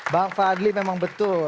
bang fadli memang betul